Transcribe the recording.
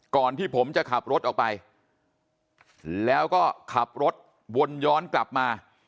ก่อนที่ผมจะขับรถออกไปแล้วก็ขับรถวนย้อนกลับมา